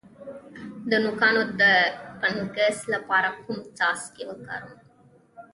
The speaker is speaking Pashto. د نوکانو د فنګس لپاره کوم څاڅکي وکاروم؟